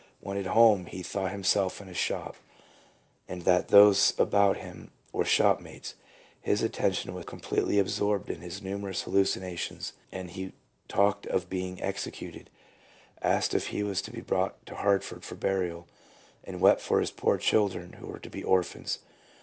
When at home he thought himself in a shop, and that those about him were shop mates. His attention was completely absorbed in his numerous hallucinations, and he talked of being exe cuted, asked if he was to be brought to Hartford for burial, and wept for his poor children who were to be orphans.